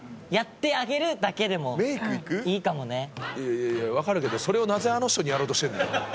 いやいや分かるけどそれをなぜあの人にやろうとしてんのよ。